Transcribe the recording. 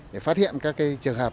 để phát hiện các cái trường hợp